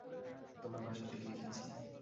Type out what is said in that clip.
তোমার ভাষাতেই লিখেছি।